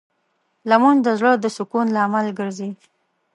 لمونځ د زړه د سکون لامل ګرځي